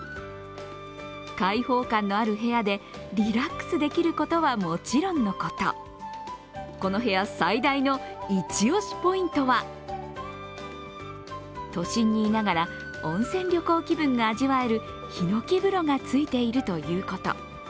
開放感のある部屋でリラックスできることはもちろんのこと、この部屋最大のイチオシポイントは都心にいながら、温泉旅行気分が味わえるひのき風呂がついているということ。